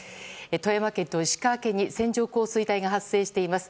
富山県と石川県に線状降水帯が発生しています。